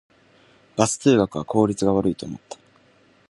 バス通学は効率が悪いと思った